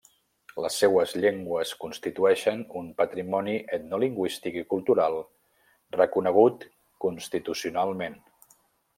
Les seues llengües constitueixen un patrimoni etnolingüístic i cultural reconegut constitucionalment.